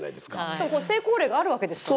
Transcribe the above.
しかも成功例があるわけですから。